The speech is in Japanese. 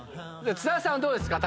津田さんはどうですか？